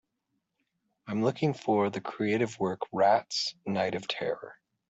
I am looking for the creative work Rats: Night of Terror